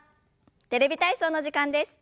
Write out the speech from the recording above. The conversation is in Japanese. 「テレビ体操」の時間です。